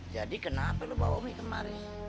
jadi kenapa lo bawa umi kemari